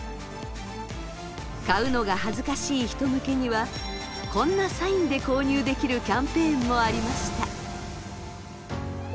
買うのが恥ずかしい人向けにはこんなサインで購入できるキャンペーンもありました。